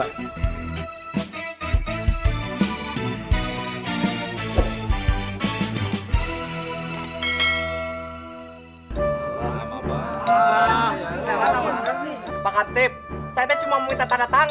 pertama kali saya mau minta nomor rekening